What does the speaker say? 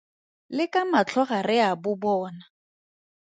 Le ka matlho ga re a bo bona.